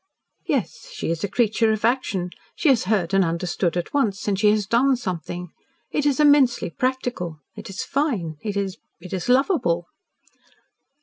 "Yes, she is a creature of action. She has heard and understood at once, and she has done something. It is immensely practical it is fine it it is lovable."